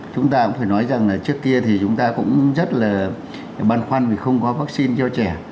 chúng ta cũng phải nói rằng là trước kia thì chúng ta cũng rất là băn khoăn vì không có vaccine cho trẻ